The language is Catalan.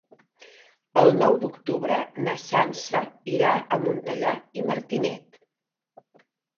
El nou d'octubre na Sança irà a Montellà i Martinet.